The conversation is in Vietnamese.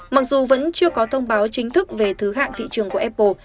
mặc dù vẫn chưa có thông báo chính thức về thứ hạng thị trường của apple